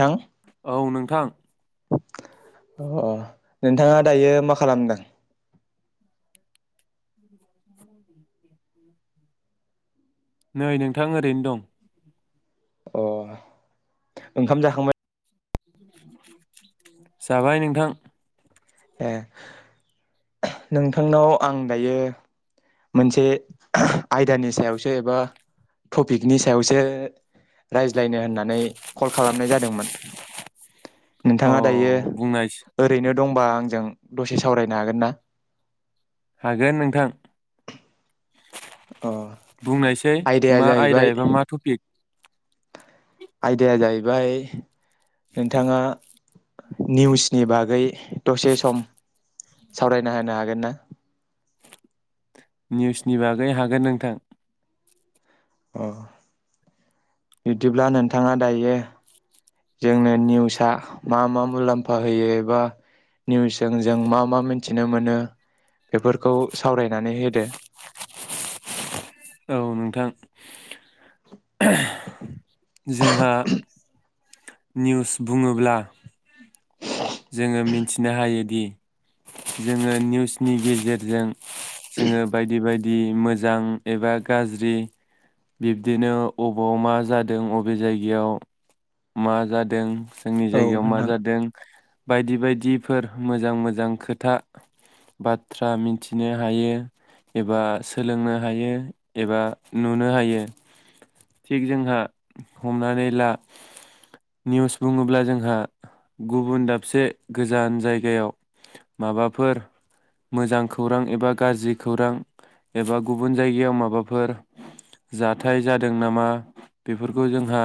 थां औ नोंथां अ नोंथाङा दायो मा खालामदों? नै नोंथां ओरैनो दं अ ओंखाम जाखांबाय जाबाय नोंथां ए नोंथांनाव आं दायो मोनसे आयदानि सायावसो एबा टपिकनि सायावसो रायज्ला यनो होननानै कल खालामनाय जा दोंमोन अ नोंथाङा दायो बुंनाय ओरैनो दंबा आजों दसे सावनो हागोन ना? हागोन नोंथां अ बुंनायसै आयदाया मा जाहैबाय आयदा एबा मा टपिक आयदाया जाहैबाय नोंथाङा निउसनि बागै दसे सम सावरायना होनो हागोन ना? निउसनि बागै हागोन नोंथां अ बिदिब्ला नोंथाङा दायो जोंनो निउसआ मा मा मुलाम्फा होयो एबा निउसजों जों मा मा मिथिनो मोनो बेफोरखौ सावरायनानै होदो औ नोंथां जोंहा निउस बुङोब्ला जोङो मि थिनो हायोदि जोङो निउसनि गेजेरजों जोङो बायदि बायदि मोजां एबा गाज्रि बिब्दिनो अबाव मा जादों अबे जायगायाव मा जादों जोंनि औ जायगायाव मा नोंथां जादों बायदि बायदिफोर मोजां मोजां खोथा बाथ्रा मिथिनो हायो एबा सोलोंनो हायो एबा नुनो हायो थिग जोंहा हमनानै ला निउस बुङोब्ला जोंहा गुबुन दाबसे गोजान जायगायाव माबाफोर मोजां खौरां एबा गाज्रि खौरां एबा गुबुन जायगायाव माबाफोर जाथाय जादों नामा बेफोरखौ जोंहा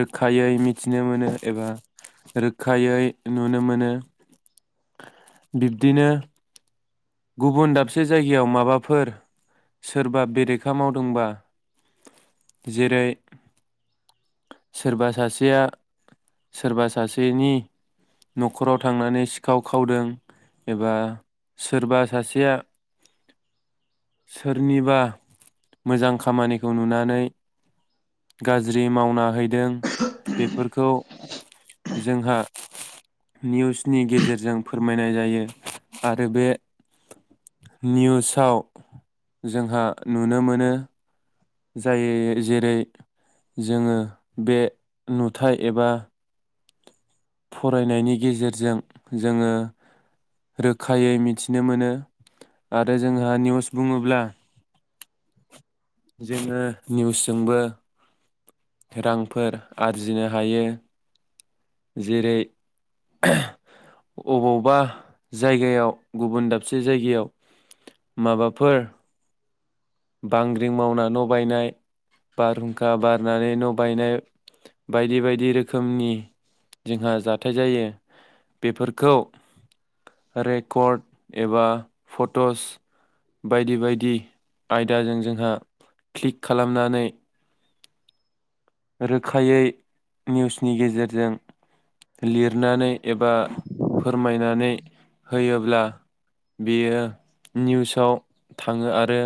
रोखायै मिथिनो मोनो एबा रोख खायै नुनो मोनो बिब्दिनो गुबुन दाबसे जायगायाव माबाफोर सोरबा बेरेखा मावदोंबा जेरै सोरबा सासेया सोरबा सासेनि नखराव थांनानै सिखाव खावदों एबा सि सोरबा सासेया सोरनिबा मोजां खामानिखौ नुनानै गाज्रि मावना हैदों बेफोरखौ जोंहा निउसनि गेजेरजों फोरमायनाय जायो आरो बे निउसाव जोंहा नुनो मोनो जायो जेरै जोङो बे नुथाय एबा फरायनायनि गेजेरजों जोङो रोखायै मिथिनो मोनो आरो जोंहा निउस बुङोब्ला जोङो निउसजोंबो रांफोर आरजिनो हायो जेरै अबावबा जायगायाव गुबुन दाबसे जायगायाव माबाफोर बांग्रिं मावना न बायनाय बारहुंखा बारनानै न बायनाय बायदि बायदि रोखोमनि जोंहा जाथाय जायो बेफोरखौ रेकर्ड एबा फटस बायदि बायदि आयदाजों जोंहा क्लिक खालामनानै रोखायै निउसनि गेजेरजों लिरनानै एबा फोरमायनानै होयोब्ला बियो निउसाव थाङो आरो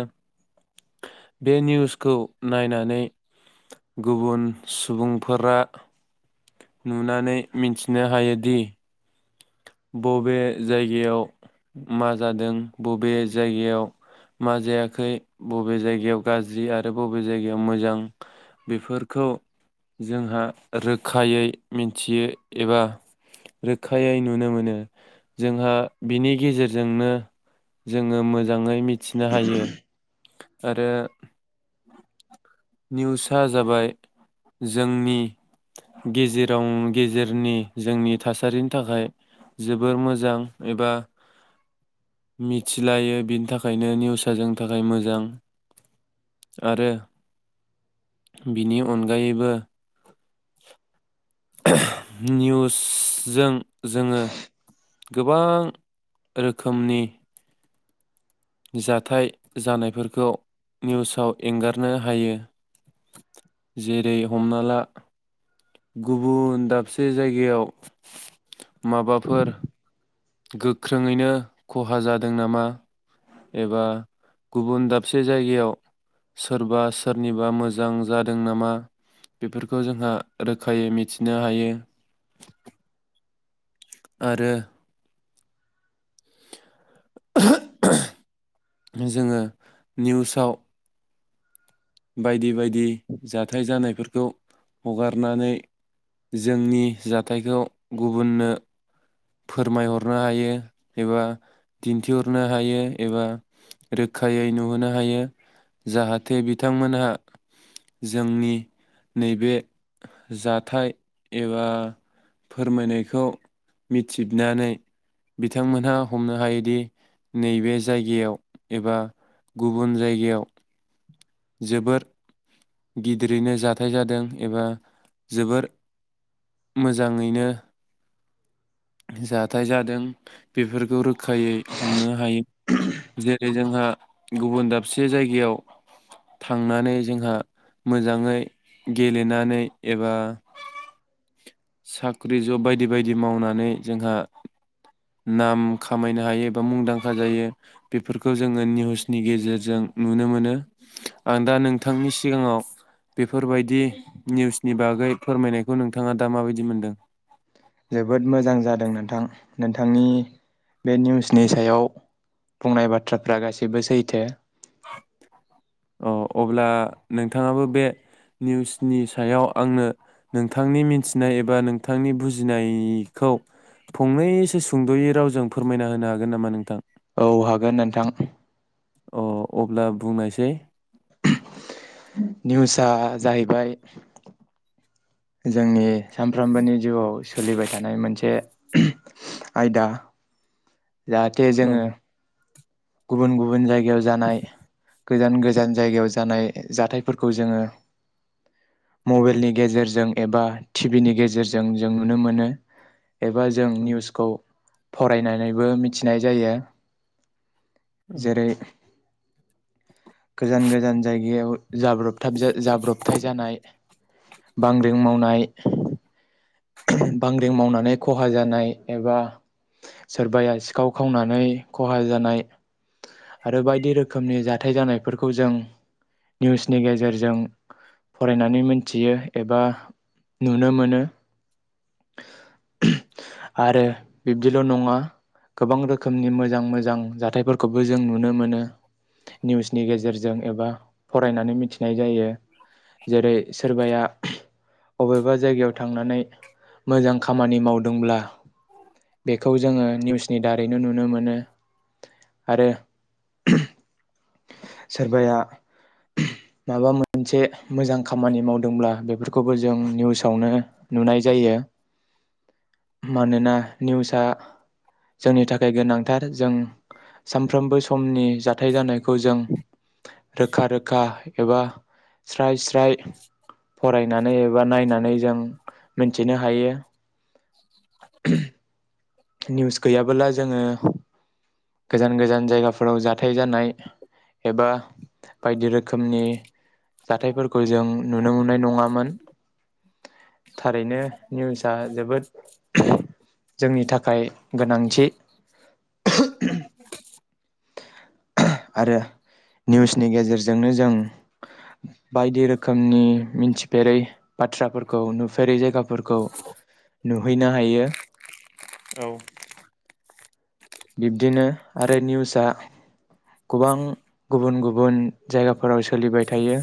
बे निउसखौ नायनानै गुबुन सुबुंफोरा नुनानै मिथिनो हायोदि बबे जायगायाव मा जादों बबे जायगायाव मा जायाखै बबे जायगायाव गाज्रि आरो बबे जायगायाव मोजां बेफोरखौ जोंहा रोखायै मिथियो एबा रोखा आयै नुनो मोनो जोंहा बिनि गेजेरजोंनो जोङो मो जाङै मिथिनो हायो आरो निउसा जाबाय जोंनि गेजेराव गेजेरनि जोंनि थासारिनि थाखाय जोबोर मोजां एबा मिथिलायो बिनि थाखायनो निउस जोंनि थाखाय मोजां आरो बिनि अनगायैबो निउसजों जोङो गोबां रोखोमनि जाथाय जानायफोरखौ निउसाव एंगारनो हायो जेरै हमना ला गुबुन दाबसे जायगायाव माबाफोर गोख्रोङैनो खहा जादों नामा एबा गुबुन दाबसे जायगायाव सोरबा सोरनिबा मोजां जादों नामा बेफोरखौ जोंहा रोखायै मिथिनो हायो आरो जोङो निउसाव बायदि बायदि जाथाय जानायफोरखौ हगारनानै जोंनि जाथायखौ गुबुननो फोरमायहरनो हायो एबा दिन्थिहरनो हायो एबा रोखायै नुहोनो हायो जाहाथे बिथांमोनहा जोंनि नैबे जाथाय एबा फोरमायनायखौ मिथिनानै बिथांमोनहा हमनो हायोदि नैबे जायगायाव एबा गुबुन जायगायाव जोबोर गिदिरैनो जाथाय जादों एबा जोबोर मोजाङैनो जाथाय जादों बेफोरखौ रोखायै हमनो हायो जेरै जोंहा गुबुन दाबसे जायगायाव थांनानै जोंहा मोजाङै गेलेनानै एबा साख्रि जब बायदि बायदि मावनानै जोंहा नाम खामायनो हायो बा मुंदांखा जायो बेफोरखौ जोंङो निउसनि गेजेरजों नुनो मोनो। आं दा नोंथांनि सिगांङाव बेफोरबायदि निउसनि बागै फोरमायनायखौ नोंथांङा दा माबायदि मोनदों? जोबोद मोजां जादों नोंथां, नोंथांनि बे निउसनि सायाव बुंनाय बाथ्राफ्रा गाससिबो सैथो। अ अब्ला नोंथांङाबो बे निउसनि सायाव आंनो नोंथांनि मिथिनाय एबा नोंथांनि बुजिनायखौ फंनैसो सुंद'यै रावजों फोरमायना होनो हागोन नामा नोंथां? औ हागोन नोंथां। अ अब्ला बुंनायसै निउसआ जाहैबाय जोंनि सानफ्रामबोनि जिउआव सोलिबाय थानाय मोनसे आयदा जाहाथे औ जोंङो गुबुन गुबुन जाय याव जानाय गोजान गोजान जायगायाव जानाय जाथायफोरखौ जोंङो मबाइलनि गेजेरजों एबा टि भि नि गेजेरजों जों नुनो मोनो। एबा जों औ निउसखौ फरायनानैबो मिथिनाय जायो। जेरै गोजान गोजान जायगायाव जाब्रबथाब जाब्रबथाय जानाय बांग्रिं मावनाय बांग्रिं मावनानै खहा जानाय एबा सोरबाया सिखाव खावनानै खहा जानाय। आरो बायदि रोखनि जाथाय जानायफोरखौ जों निउसनि गेजेरजों फरायनानै मोनथियो एबा नुनो मोनो। आरो बिब्दिल' नंङा गोबां रोखोमनि मोजां मोजां थायफोरखौबो जों नुनो मोनो निउसनि गेजेरजों एबा फरायनानै मिथिनाय जायो, जेरै सोरबाया अबेबा जायगायाव थांनानै मोजां खामानि मावदोंब्ला बेखौ जोंङो निउसनि दारैनो नुनो मोनो आरो सोरबाया माबा मोनसे मोजां खामानि मावदोंब्ला बेफोरखौबो जों निउसावनो नुनाय जायो, मानोना निउसआ जोंनि थाखाय गोनांथार जों सामफ्रोमबो समनि जाथाय जानाय जों रोखा रोखा एबा स्राय स्राय फरायनानै एबा नायनानै जों मोनथिनो हायो। निउस गैयाबोला जोंङो गोजान गोजान जायगाफोराव जाथाय जानाय एबा बायदि रोखोमनि जाथायफोरखौ जों नुनो मोननाय नंङामोन, थारैनो निउसआ जोबोद जोंनि थाखा खाय गोनांथि उ आरो निउसनि गेजेरजोंनो जों बायदि रोखोमनि मिथिफेरै बाथ्राफोरखौ नुफेरै जायगाफोरखौ नुहैनो हायो। औ बिब्दिनो आरो निउसआ गोबां गुबुन गुबुन जायगाफोराव सोलिबाय थायो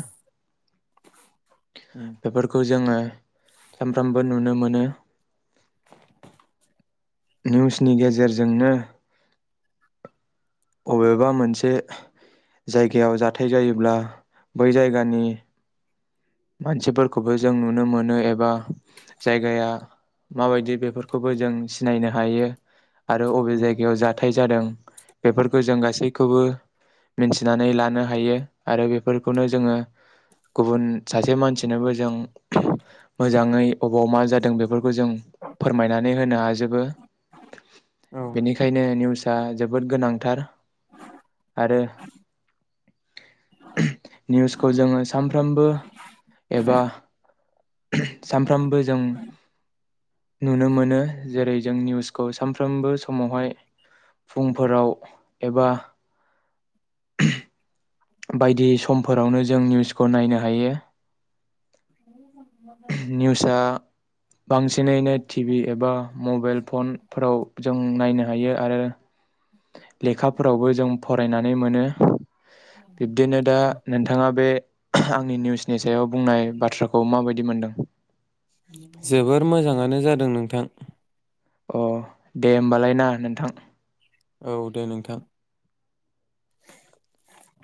बेफोरखौ जोंङो सानफ्रामबो नुनो मोनो। निउसनि गेजेरजोंनो बबेबा मोनसे जायगायाव जाथाय जायोब्ला बै जायगानि मानसिफोरखौबो जों नुनो मोनो एबा जायगाया माबायदि बेफोरखौबो जों सिनायनो हायो, आरो अबे जायगायाव जाथाय जादों बेफोरखौ जों गासैखौबो मिन्थिनानै लानो हायो। आरो बेफोरखौनो जोंङो गुबुन सासे मानसिनोबो जों मोजांङै अबाव मा जादों बेफोरखौ जों फोरमायनानै होनो हाजोबो। औ बेनिखायनो निउस आ जोबोद गोनांथार आरो निउसखौ जोंङो सामफ्रामबो एबा सानफ्रामबो जों नुनो मोनो, जेरै जों निउसखौ सामफ्रा फ्रोमबो समावहाय फुंफोराव एबा [inaudible] बायदि समफोरावनो जों निउस बे खौ नायनो हायो। निउसआ बांसिनैनो टि भि एबा मबाइल फनफोराव जों नायनो हायो आरो लेखाफोरावबो जों फरायनानै मोनो। बिब्दिनो दा नोंथाङा बे आंनि निउसनि सायाव बुंनाय बाथ्राखौ माबायदि बिमोनदों जोबोर मोजाङानो जादों नोंथां। अ दे होमबालाय ना नोंथां। औ दे नोंथां।